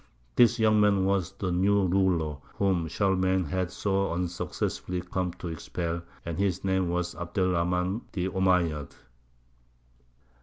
This young man was the new ruler whom Charlemagne had so unsuccessfully come to expel, and his name was Abd er Rahmān the Omeyyad.